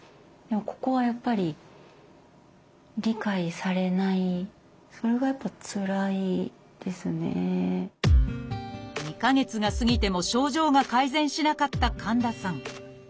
ここはやっぱり２か月が過ぎても症状が改善しなかった神田さん。